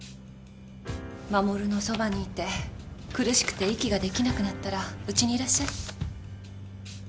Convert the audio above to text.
衛のそばにいて苦しくて息ができなくなったらうちにいらっしゃい